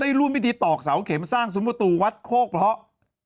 ร่วมพิธีตอกเสาเข็มสร้างซุ้มประตูวัดโคกเพราะ